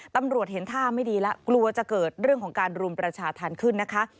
ตำรวจเห็นท่าไม่ดีแล้วกลัวจะเกิดเรื่องของการรุมประชาธรรมขึ้นนะคะ